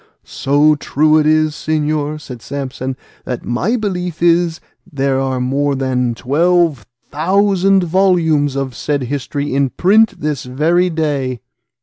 "So true is it, señor," said Samson, "that my belief is there are more than twelve thousand volumes of the said history in print this very day.